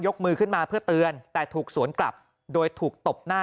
มือขึ้นมาเพื่อเตือนแต่ถูกสวนกลับโดยถูกตบหน้า